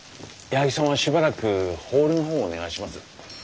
矢作さんはしばらくホールの方をお願いします。